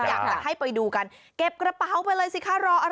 อยากจะให้ไปดูกันเก็บกระเป๋าไปเลยสิคะรออะไร